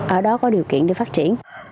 ở đó có điều kiện để phát triển